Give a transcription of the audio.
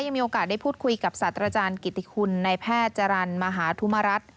มีโอกาสได้พูดคุยกับศาสตราจารย์กิติคุณนายแพทย์จรรย์มหาธุมรัฐ